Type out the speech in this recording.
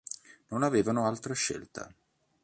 Non avevano altra scelta.